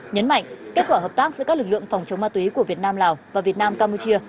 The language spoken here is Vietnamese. nhấn mạnh kết quả hợp tác giữa các lực lượng phòng chống ma túy của việt nam lào và việt nam campuchia